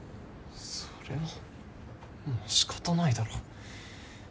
それはまあ仕方ないだろ。